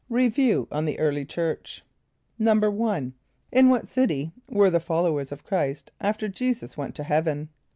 Review on the Early Church. =1.= In what city were the followers of Chr[=i]st after J[=e]´[s+]us went to heaven?